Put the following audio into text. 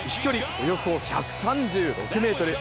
およそ１３６メートル。